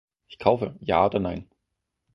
Ich kaufe, ja oder nein.